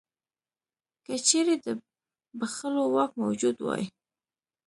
که چیرې د بخښلو واک موجود وای.